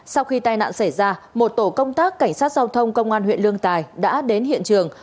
sau khi tai nạn xảy ra một tổ công tác cảnh sát giao thông công an huyện lương tài đã đến hiện trường